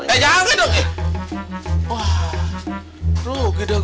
eh jangan dong